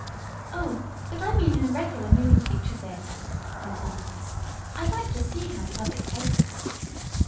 "Oh, but I mean in a regular moving picture theater," went on Alice. "I'd like to see how the public takes us."